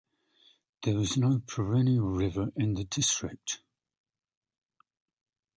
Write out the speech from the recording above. There is no perennial river in the district.